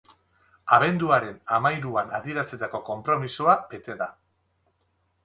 Abenduaren hamahiruan adierazitako konpromisoa bete da.